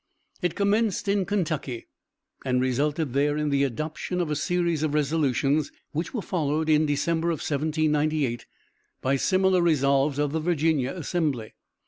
It commenced in Kentucky, and resulted there in the adoption of a series of resolutions, which were followed, in December, 1798, by similar resolves of the Virginia Assembly.